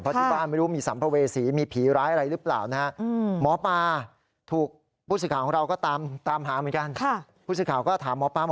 เพราะที่บ้านไม่รู้มีสัมภเวษีมีผีร้ายอะไรหรือเปล่านะฮะ